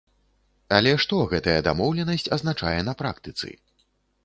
Але што гэтая дамоўленасць азначае на практыцы?